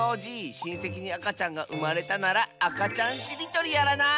しんせきにあかちゃんがうまれたなら「あかちゃんしりとり」やらない？